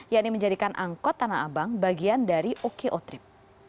yaitu menjadikan angkot tanah abang bagian dari oko trip